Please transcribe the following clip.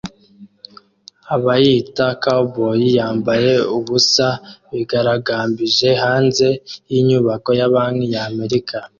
Abiyita "Cowboy Yambaye ubusa" bigaragambije hanze y'inyubako ya Banki ya Amerika